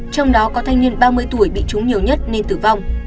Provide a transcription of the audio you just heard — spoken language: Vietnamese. trong đó có thanh niên ba mươi tuổi bị trúng nhiều nhất nên tử vong